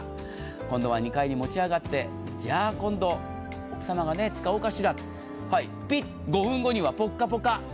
今度は２階に持ち上がって、じゃあ今度、奥様が使おうかしらピッ、５分後にはぽっかぽか。